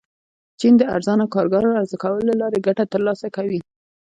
چین د ارزانه کارګرو عرضه کولو له لارې ګټه ترلاسه کوي.